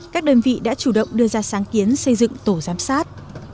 các đơn vị đã chủ động đưa ra sáng kiến xây dựng tổ giám sát